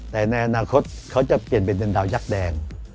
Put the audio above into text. แต่ในอนาคตเขาจะเปลี่ยนเป็นดาวยักษ์แดง